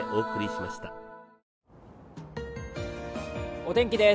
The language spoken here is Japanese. お天気です。